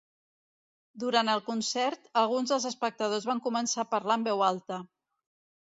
Durant el concert, alguns dels espectadors van començar a parlar en veu alta.